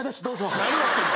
何やってんだ？